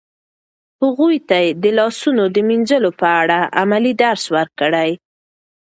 هغوی ته د لاسونو د مینځلو په اړه عملي درس ورکړئ.